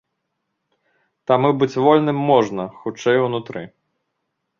Таму быць вольным можна, хутчэй, унутры.